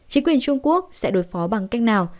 chính quyền trung quốc sẽ đối phó bằng cách nào